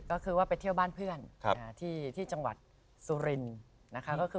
ก็คือว่าไปเที่ยวบ้านเพื่อนที่จังหวัดสุรินทร์นะคะ